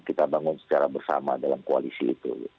kita bangun secara bersama dalam koalisi itu